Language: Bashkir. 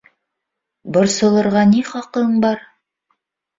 Борсолорға ни хаҡың бар?